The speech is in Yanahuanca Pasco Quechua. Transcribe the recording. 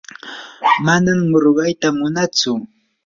manam ruqayta munatsu.